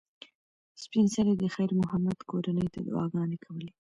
سپین سرې د خیر محمد کورنۍ ته دعاګانې کولې.